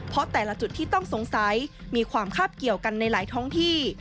เพราะแต่ละจุดที่ต้องสงสัยมีความคาบเกี่ยวกันในหลายท้องที่